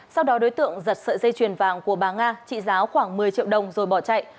sau đó đối tượng giật sợi dây chuyền vàng của bà nga trị giá khoảng một mươi triệu đồng rồi bỏ chạy